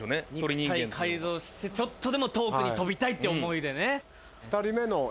肉体改造してちょっとでも遠くに飛びたいって思いでね。